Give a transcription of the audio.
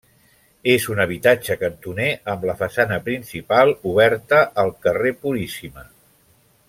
És un habitatge cantoner amb la façana principal oberta al carrer Puríssima.